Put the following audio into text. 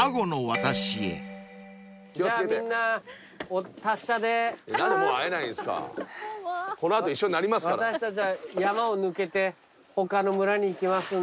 私たちは山を抜けて他の村に行きますんで。